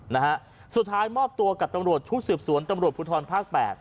น้ำมอบตัวกับตำรวจชุดสืบสวนตำรวจภูทรภาค๘